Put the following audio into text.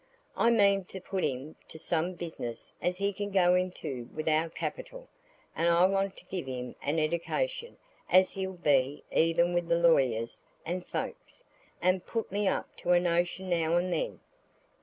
I mean to put him to some business as he can go into without capital, and I want to give him an eddication as he'll be even wi' the lawyers and folks, and put me up to a notion now an' then."